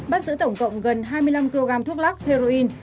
bắt giữ tổng cộng gần hai mươi năm kg thuốc lắc heroin